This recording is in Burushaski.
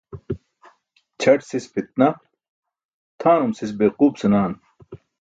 Ćʰať sis pʰitnah, tʰanum sis beequup senaan.